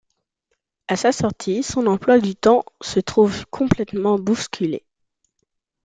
À sa sortie, son emploi du temps se trouve complètement bousculé.